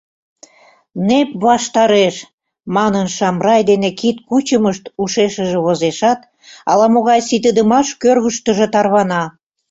«Нэп ваштареш!» — манын, Шамрай дене кид кучымышт ушешыже возешат, ала-могай ситыдымаш кӧргыштыжӧ тарвана.